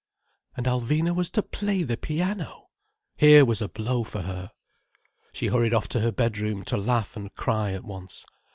And Alvina was to play the piano! Here was a blow for her! She hurried off to her bedroom to laugh and cry at once.